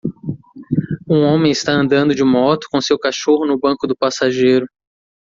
Um homem está andando de moto com seu cachorro no banco do passageiro.